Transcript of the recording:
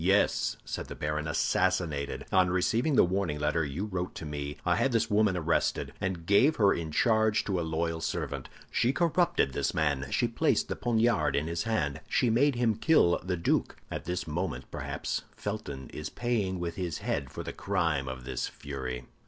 "Yes," said the baron, "assassinated. On receiving the warning letter you wrote to me, I had this woman arrested, and gave her in charge to a loyal servant. She corrupted this man; she placed the poniard in his hand; she made him kill the duke. And at this moment, perhaps, Felton is paying with his head for the crime of this fury!"